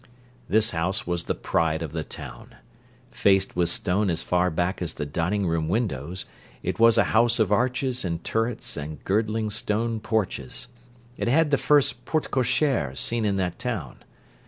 This house was the pride of the town. Faced with stone as far back as the dining room windows, it was a house of arches and turrets and girdling stone porches: it had the first porte cochere seen in that town.